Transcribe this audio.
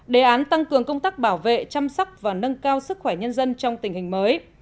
đề án tăng cường công tác bảo vệ chăm sóc và nâng cao sức khỏe nhân dân trong tình hình mới